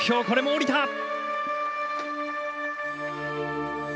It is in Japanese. これも降りた！